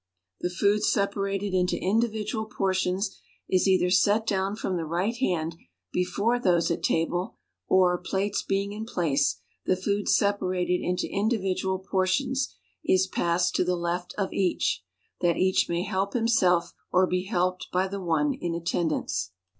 The food separated into individual portions, is either set down from the right hand before those at table, or, plates being in place, the food sepa rated into individual portions, is passed to the left of each, that each may help himself or be helped by the one in attendance.